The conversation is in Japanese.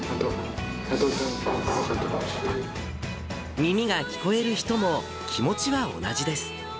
耳が聞こえる人も、気持ちは同じです。